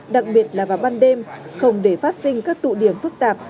đặc biệt là vào ban đêm không để phát sinh các tụ điểm phức tạp